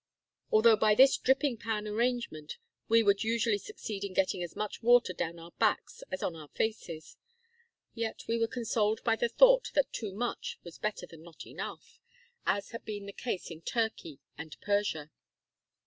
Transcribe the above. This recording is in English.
Although by this dripping pan arrangement we would usually succeed in getting as much water down our backs as on our faces, yet we were consoled by the thought that too much was better than not enough, as had been the case in Turkey and Persia.